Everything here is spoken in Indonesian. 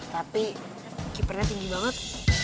tapi keepernya tinggi banget